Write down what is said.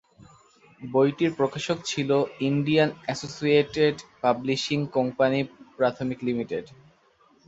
বইটির প্রকাশক ছিল Indian Associated Publishing Co Pvt লিঃ।